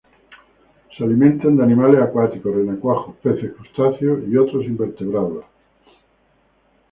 Se alimentan de animales acuáticos: renacuajos, peces, crustáceos y otros invertebrados.